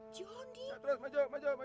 jangan tanya sama gue